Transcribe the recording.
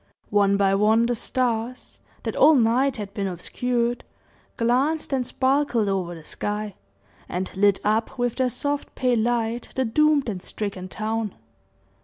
One by one, the stars that all night had been obscured, glanced and sparkled over the sky, and lit up with their soft, pale light the doomed and stricken town.